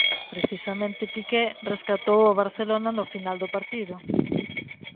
Precisamente Piqué rescatou o Barcelona no final do partido.